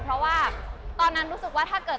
เพราะว่าตอนนั้นรู้สึกว่าถ้าเกิด